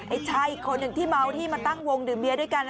ไอ้ชายคนอย่างที่เมาที่มาตั้งวงดื่มเบียร์ด้วยกัน